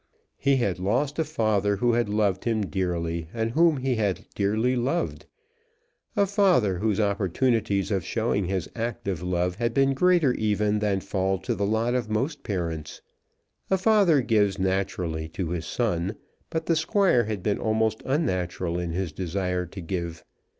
He had lost a father who had loved him dearly, and whom he had dearly loved, a father whose opportunities of showing his active love had been greater even than fall to the lot of most parents. A father gives naturally to his son, but the Squire had been almost unnatural in his desire to give.